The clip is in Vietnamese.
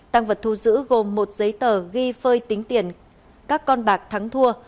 tăng vật thu giữ gồm một giấy tờ ghi phơi tính tiền các con bạc thắng thua